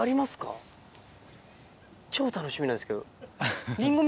超楽しみなんですけど。